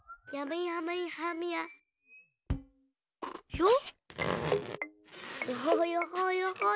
ひょっ！